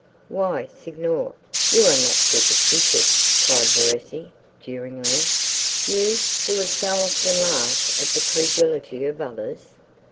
"Why, Signor, you are not superstitious," cried Verezzi, jeeringly; "you, who have so often laughed at the credulity of others!"